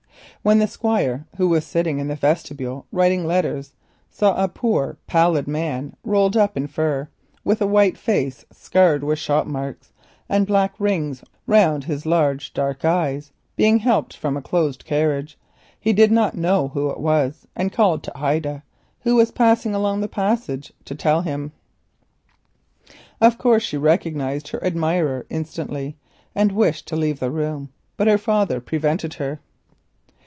When the Squire, who was sitting in the vestibule writing letters, saw a poor pallid man, rolled up in fur, with a white face scarred with shot marks and black rings round his large dark eyes, being helped from a closed carriage, he did not know who it was, and called to Ida, who was passing along the passage, to tell him. Of course she recognised her admirer instantly, and wished to leave the room, but her father prevented her.